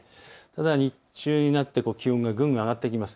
日中になって気温がぐんぐん上がってきます。